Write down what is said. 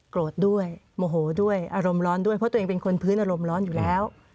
ด้วยโมโหด้วยอารมณ์ร้อนด้วยเพราะตัวเองเป็นคนพื้นอารมณ์ร้อนอยู่แล้ว